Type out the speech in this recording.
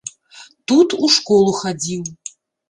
Тут у школу хадзіў.